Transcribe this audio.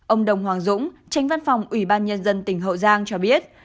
ông đồng hoàng dũng tránh văn phòng ủy ban nhân dân tỉnh hậu giang cho biết